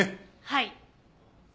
はい。